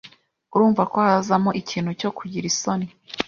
urumva ko hazamo ikintu cyo kugira isoni